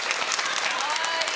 かわいい！